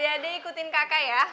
adik adik ikutin kakak ya